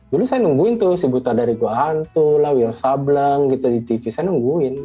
dulu saya nungguin tuh si buta dari gua hantu lah wio sableng gitu di tv saya nungguin